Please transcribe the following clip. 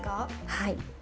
はい。